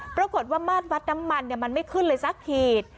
ปรากฏว่ามาดวัดน้ำมันมันไม่ขึ้นเลยสักขีด